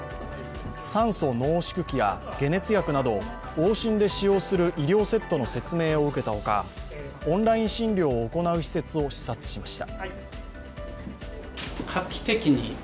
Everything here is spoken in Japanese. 酸素濃縮器や解熱薬など、往診で使用する医療セットの説明を受けたほかオンライン診療を行う施設を視察しました。